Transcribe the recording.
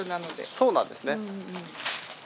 そうなんですね。